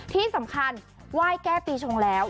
ที่สำคัญไหว้แก้ปีชงแล้ว